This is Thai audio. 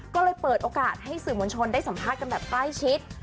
ก็เลยเปิดโอกาสให้สื่อมวลชนได้สัมภาษณ์กันแบบใกล้ชิด